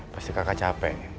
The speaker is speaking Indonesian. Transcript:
pasti kakak capek